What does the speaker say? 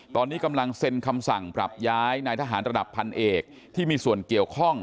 ตอนนี้กำลังเซ็นคำสั่งปรับย้ายนายทหารระดับพันเอกที่มีส่วนเกี่ยวข้อง